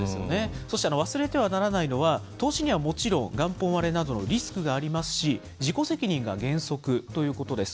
そして忘れてはならないのは、投資にはもちろん元本割れなどのリスクがありますし、自己責任が原則ということです。